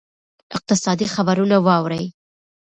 اقتصادي خبرونه واورئ.